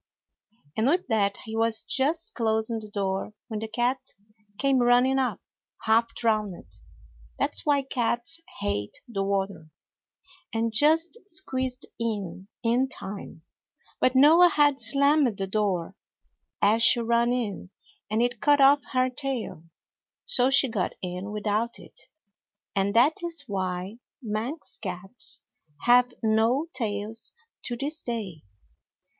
And with that he was just closing the door when the cat came running up, half drowned that's why cats hate the water and just squeezed in, in time. But Noah had slammed the door as she ran in and it cut off her tail, so she got in without it, and that is why Manx cats have no tails to this day.